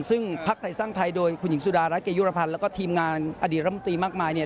ซึ่งพักไทยสร้างไทยโดยคุณหญิงสุดารัฐเกยุรพันธ์แล้วก็ทีมงานอดีตรัฐมนตรีมากมายเนี่ย